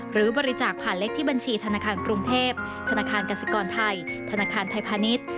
หรือบริจาคผ่านเลขที่บัญชีธนาคารกรุงเทพธนาคารกสิกรไทยธนาคารไทยพาณิชย์